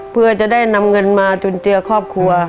เพื่อจะได้นำเงินมาจุนเจือครอบครัว